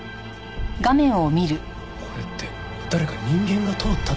これって誰か人間が通ったって事ですか？